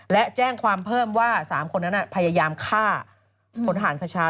และแจ้งความเพิ่มว่า๓คนนั้นพยายามฆ่าพลทหารคชา